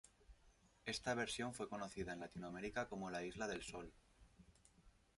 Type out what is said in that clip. Esta versión fue conocida en Latinoamerica como La Isla Del Sol.